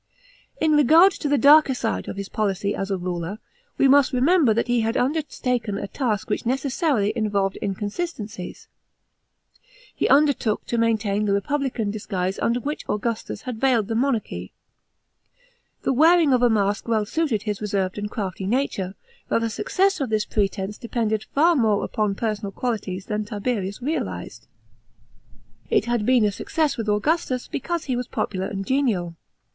In regard to the darker fide of his policy as a ruler, we must remember that he hud undertaken a task which necess^rih involved inconsistencies. He undertook to maintain the republican disguise under which Augustus had veiled the monarchy. The w<aring of a mask well suited his r< served and crafty nature, but the success of this pretence dep nded lar more on personal qualities than Tiberius realised. It had been a success with Augustus, because he was popular and Menial.